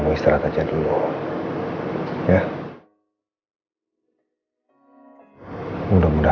aku ngomong pak coba dulu ya takutnya nanti mereka